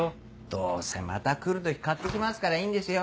どうせまた来る時買ってきますからいいんですよ。